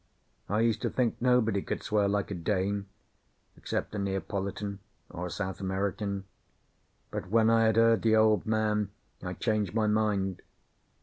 I used to think nobody could swear like a Dane, except a Neapolitan or a South American; but when I had heard the Old Man, I changed my mind.